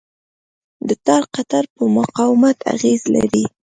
د تار قطر په مقاومت اغېز لري.